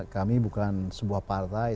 kami bukan sebuah partai